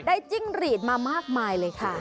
จิ้งหรีดมามากมายเลยค่ะ